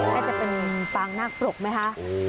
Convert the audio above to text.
น่าจะเป็นปางนาคปรกไหมคะ